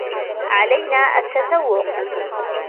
علينا التسوق.